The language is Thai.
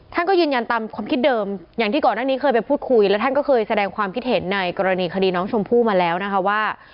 ท่านก็ยืนยันตามความคิดเดิมอย่างที่ก่อนหน้านี้เคยไปพูดคุยและท่านก็เคยแสดงความคิดเห็นในกรณีคดีน้องชมพู่มาแล้วนะคะว่า